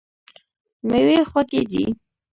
میوې خوږې دي.